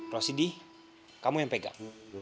rosidi kamu yang pegang